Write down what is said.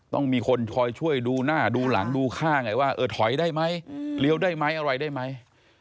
ต้องมีคนคอยช่วยดูหน้าดูหลังดูข้างไงว่าเออถอยได้ไหมเลี้ยวได้ไหมอะไรได้ไหม